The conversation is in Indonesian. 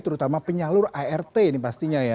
terutama penyalur art ini pastinya ya